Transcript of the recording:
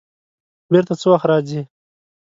بېرته څه وخت راځې؟